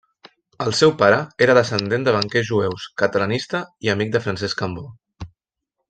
El seu pare era descendent de banquers jueus, catalanista i amic de Francesc Cambó.